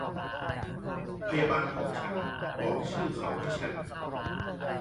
พยาบาลของฉันบอกชื่อเขาให้ฉัน